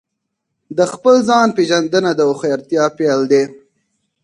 د خپل ځان پېژندنه د هوښیارتیا پیل دی.